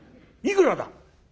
いくらだ？」。